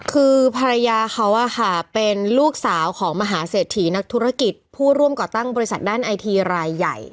คือภรรยาเขาเป็นลูกสาวของมหาเศรษฐีนักธุรกิจผู้ร่วมก่อตั้งบริษัทด้านไอทีรายใหญ่